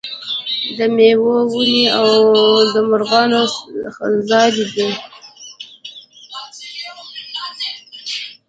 د میوو ونې د مرغانو ځالې دي.